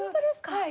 はい。